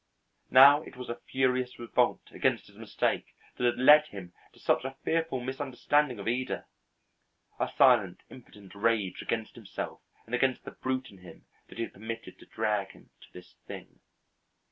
Now, it was a furious revolt against his mistake that had led him to such a fearful misunderstanding of Ida; a silent impotent rage against himself and against the brute in him that he had permitted to drag him to this thing.